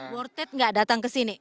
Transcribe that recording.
worth it gak datang kesini